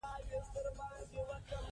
جنرالان په مخالفت کې وو.